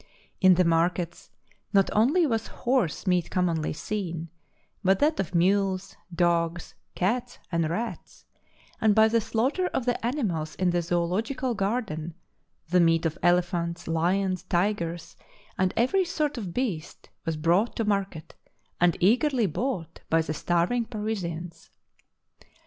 In the markets not only was horse meat commonly seen, but that of mules, dogs, cats, and rats; and by the slaughter of the animals in the zoological garden, the meat of elephants, lions, tigers, and every sort of beast, was brought to mar ket and eagerly bought by the starving Parisians.